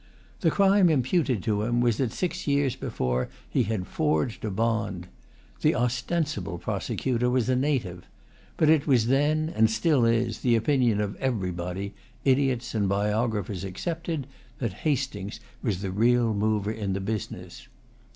The crime imputed to him was that six years before he had forged a bond. The ostensible prosecutor was a native. But it was then, and still is, the opinion of everybody, idiots and biographers excepted, that Hastings was the real mover in the business.